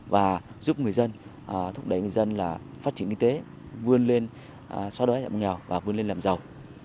và giúp người dân thúc đẩy người dân là phát triển kinh tế vươn lên so đói giảm nghèo và vươn lên làm giàu